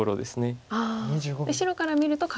白から見ると壁。